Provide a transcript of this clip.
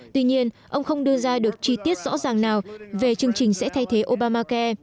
tuy nhiên ông không đưa ra được chi tiết rõ ràng nào về chương trình sẽ thay thế obamacai